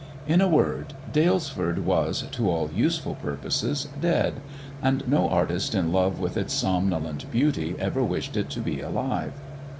In a word, Dalesford was, to all useful purposes, dead, and no artist in love with its somnolent beauty ever wished it to be alive.